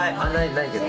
ないけど。